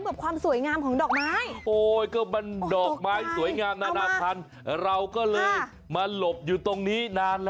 เทียมตาให้ดี